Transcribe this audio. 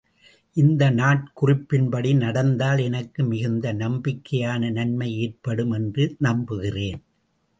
இந்த நாட்குறிப்பின் படி நடந்தால் எனக்கு மிகுந்த நம்பிக்கையான நன்மை ஏற்படும் என்று நம்புகிறேன்.